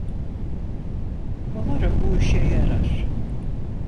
Umarım bu işe yarar.